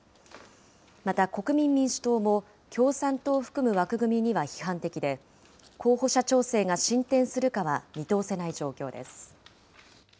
また、国民民主党も共産党を含む枠組みには批判的で、候補者調整が進展するかは見通せない状況です。